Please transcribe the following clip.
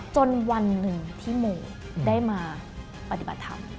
จนวันหนึ่งที่โมได้มาปฏิบัติธรรม